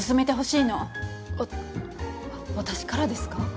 あっ私からですか？